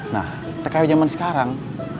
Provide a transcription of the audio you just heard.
nah tkw jaman sekarang